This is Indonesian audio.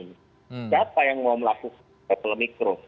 siapa yang mau melakukan travel mikro